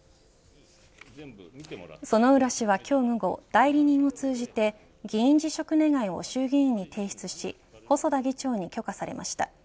薗浦氏は今日午後代理人を通じて議員辞職願を衆議院に提出し細田議長に許可されました。